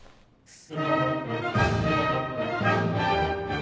す